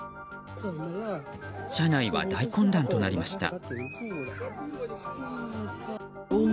車内は大混乱となりました。